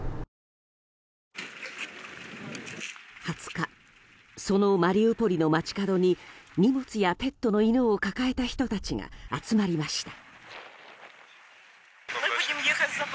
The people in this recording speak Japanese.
２０日そのマリウポリの街角に荷物やペットの犬を抱えた人たちが集まりました。